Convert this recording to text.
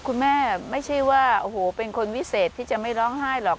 คุณแม่ไม่ใช่ว่าเป็นคนวิเศษที่จะไม่ร้องไห้หรอก